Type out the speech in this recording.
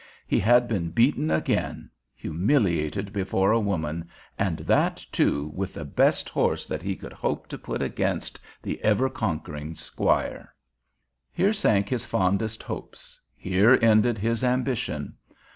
He had been beaten again, humiliated before a woman, and that, too, with the best horse that he could hope to put against the ever conquering squire. Here sank his fondest hopes, here ended his ambition.